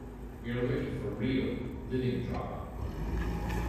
We were looking for real, living drama.